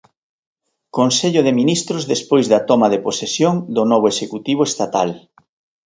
Consello de Ministros despois da toma de posesión do novo Executivo estatal.